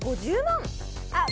あっ。